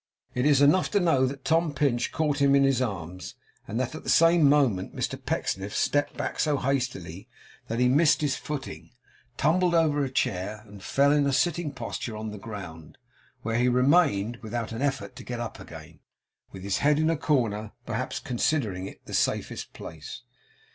It is enough to know that Tom Pinch caught him in his arms, and that, at the same moment, Mr Pecksniff stepped back so hastily, that he missed his footing, tumbled over a chair, and fell in a sitting posture on the ground; where he remained without an effort to get up again, with his head in a corner, perhaps considering it the safest place.